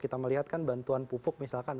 kita melihat kan bantuan pupuk misalkan